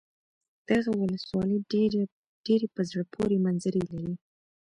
دغه ولسوالي ډېرې په زړه پورې منظرې لري.